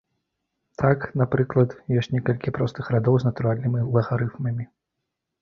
Так, напрыклад, ёсць некалькі простых радоў з натуральнымі лагарыфмамі.